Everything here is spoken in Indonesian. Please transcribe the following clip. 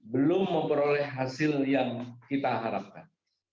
belum memperoleh hasil yang kita harapkan